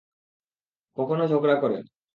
কখনও ঝগড়া করে।